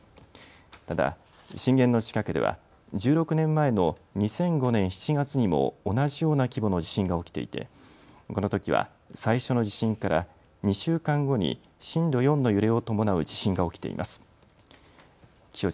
ただ震源の近くでは１６年前の２００５年７月にも同じような規模の地震が起きていてこのときは最初の地震から２週間後に震度４の揺れを伴う地震が起きています。